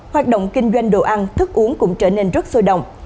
hoạt động kinh doanh đồ ăn thức uống cũng trở nên rất sôi động